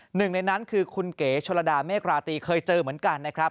หนึ่งในนั้นคือคุณเก๋ชนระดาเมฆราตรีเคยเจอเหมือนกันนะครับ